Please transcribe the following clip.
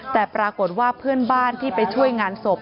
แต่ปรากฏว่าเพื่อนบ้านที่ไปช่วยงานศพ